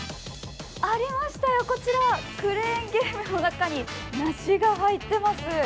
ありましたよ、こちら、クレーンゲームの中に梨が入ってます。